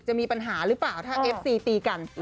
จะมีปัญหาหรือเปล่าถ้าเอฟซีตีกัน